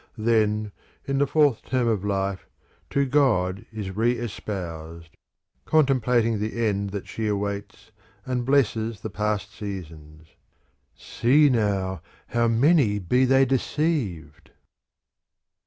Then in the fourth term of life to God is re espoused, contemplating the end that she awaits, and blesses the past seasons. See now how many be they deceived